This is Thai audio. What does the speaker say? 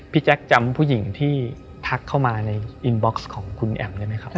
แจ๊คจำผู้หญิงที่ทักเข้ามาในอินบ็อกซ์ของคุณแอมได้ไหมครับ